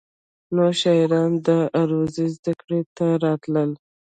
نوي شاعران د عروضو زدکړې ته راتلل.